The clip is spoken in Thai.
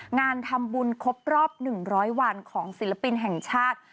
งานทำบุญครบรอบ๑๐๐วันของศิลปินแห่งชาติ